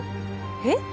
えっ？